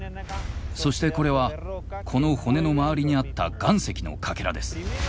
そしてこれはこの骨の周りにあった岩石のかけらです。